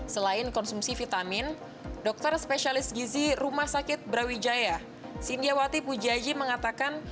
selain konsumsi vitamin dokter spesialis gizi rumah sakit brawijaya sindiawati pujaji mengatakan